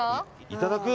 いただく？